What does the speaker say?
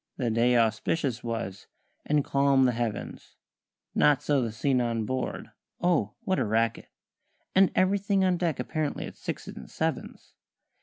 The day auspicious was, and calm the heavens; Not so the scene on board oh, what a racket! And everything on deck apparently at sixes and sevens.